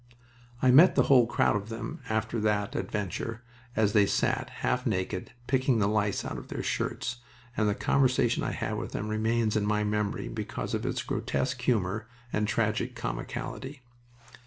I met the whole crowd of them after that adventure, as they sat, half naked, picking the lice out of their shirts, and the conversation I had with them remains in my memory because of its grotesque humor and tragic comicality.